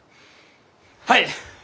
はい！